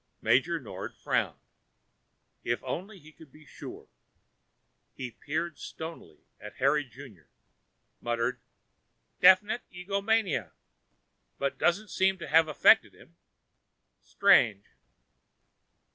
Major Nord frowned. If only he could be sure. He peered stonily at Harry Junior, murmured, "Definite egomania. It doesn't seem to have affected him. Strange."